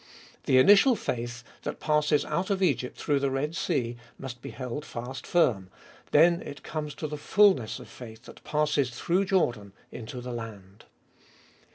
The initial faith, that passes out of Egypt through the Red Sea, must be held fast firm, then it comes to the fulness of faith that passes through Jordan into the land.